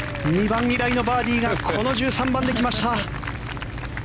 ２番以来のバーディーがこの１３番で来ました。